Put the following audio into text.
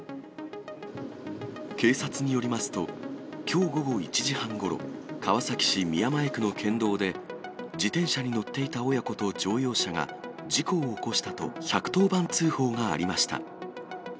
警察によりますと、きょう午後１時半ごろ、川崎市宮前区の県道で、自転車に乗っていた親子と乗用車が事故を起こしたと、１１０番通報がありました。